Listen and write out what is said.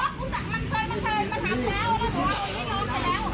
อันนี้ไม่เกี่ยวกับทวงหนี้เลย